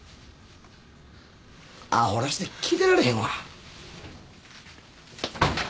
アホらしぃて聞いてられへんわ。